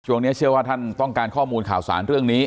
ช่วงนี้เชื่อว่าท่านต้องการข้อมูลข่าวสารเรื่องนี้